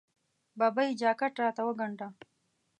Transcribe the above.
ببۍ! جاکټ راته وګنډه.